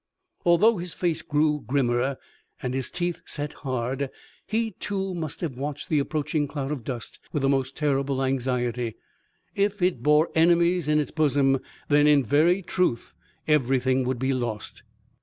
Although his face grew grimmer and his teeth set hard, he, too, must have watched the approaching cloud of dust with the most terrible anxiety. If it bore enemies in its bosom, then in very truth everything would be lost.